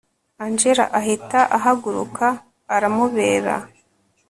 angella ahita ahaguruka aramubera